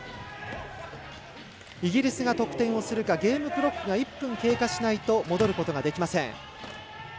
イギリスが得点をするかゲームクロックが１分を経過しないと戻ることができません。